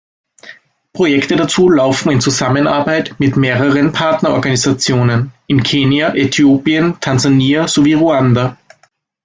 Projekte dazu laufen in Zusammenarbeit mit mehreren Partnerorganisationen in Kenia, Äthiopien, Tansania sowie Ruanda.